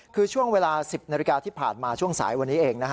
คือช่วงเวลา๑๐นาฬิกาที่ผ่านมาช่วงสายวันนี้เองนะฮะ